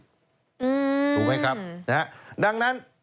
ถูกไหมครับ